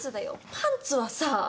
パンツはさ。